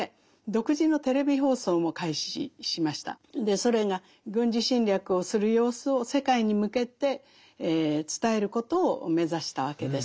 ソ連が軍事侵略をする様子を世界に向けて伝えることを目指したわけです。